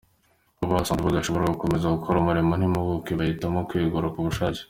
Bo basanze badashobora gukomeza gukora umurimo nk’impuguke bahitamo kwegura ku bushake.